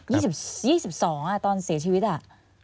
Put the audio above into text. ยี่สิบสองอ่ะตอนเสียชีวิตอ่ะ